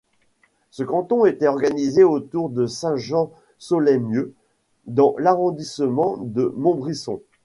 Ce canton était organisé autour de Saint-Jean-Soleymieux dans l'arrondissement de Montbrison.